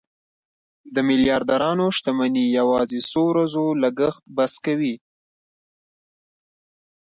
د میلیاردرانو شتمني یوازې څو ورځو لګښت بس کوي.